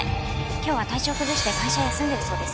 今日は体調を崩して会社を休んでいるそうです。